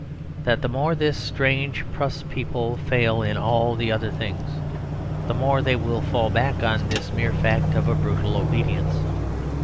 That the more this strange Pruss people fail in all the other things, the more they will fall back on this mere fact of a brutal obedience.